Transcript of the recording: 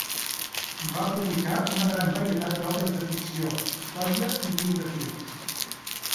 Va publicar una gran varietat d'obres de ficció, història i biografies.